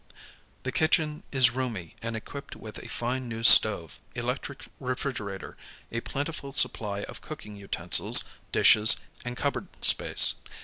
The kitchen is roomy and equipped with a fine new stove, electric refrigerator, a plentiful supply of cooking utensils, dishes, and cupboard space.